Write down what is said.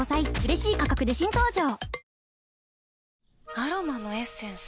アロマのエッセンス？